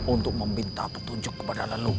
untuk meminta petunjuk ke badan lu